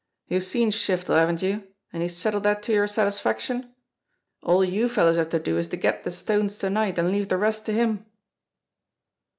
"You've seen Shiftel, haven't you, and he's settled that to your sat isfaction? All you fellows have to do is get the stones to night, and leave the rest to him."